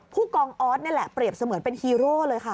ผู้กองออสนี่แหละเปรียบเสมือนเป็นฮีโร่เลยค่ะ